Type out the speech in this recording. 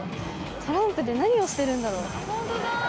トランプで何をしてるんだろう？